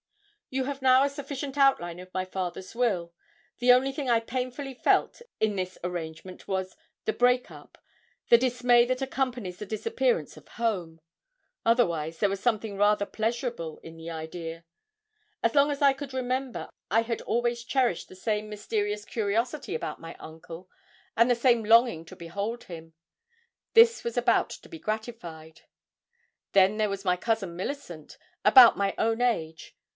You have now a sufficient outline of my father's will. The only thing I painfully felt in this arrangement was, the break up the dismay that accompanies the disappearance of home. Otherwise, there was something rather pleasurable in the idea. As long as I could remember, I had always cherished the same mysterious curiosity about my uncle, and the same longing to behold him. This was about to be gratified. Then there was my cousin Milicent, about my own age.